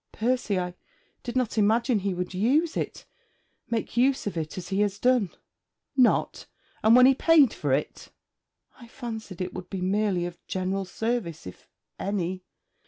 'Percy, I did not imagine he would use it make use of it as he has done.' 'Not? And when he paid for it?' 'I fancied it would be merely of general service if any.'